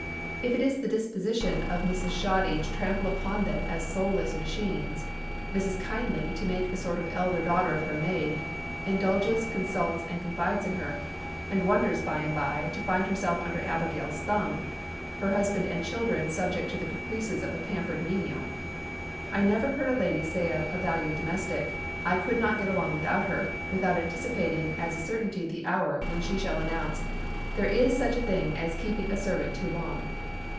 If it is the disposition of Mrs. Shoddy to trample upon them as soulless machines, Mrs. Kindly makes a sort of elder daughter of her maid; indulges, consults, and confides in her, and wonders, by and by, to find herself under Abigail's thumb—her husband and children subject to the caprices of a pampered menial. I never hear a lady say of a valued domestic, 'I could not get along without her,' without anticipating as a certainty the hour when she shall announce, 'There is such a thing as keeping a servant too long.